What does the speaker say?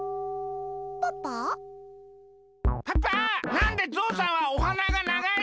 なんでゾウさんはおはながながいの？